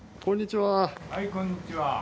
はいこんにちは。